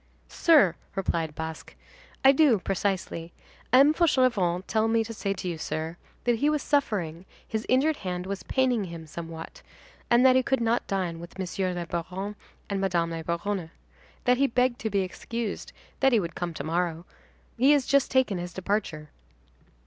"Sir," replied Basque, "I do, precisely. M. Fauchelevent told me to say to you, sir, that he was suffering, his injured hand was paining him somewhat, and that he could not dine with Monsieur le Baron and Madame la Baronne. That he begged to be excused, that he would come to morrow. He has just taken his departure."